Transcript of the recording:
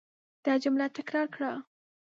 دا جمله تکرار کړه.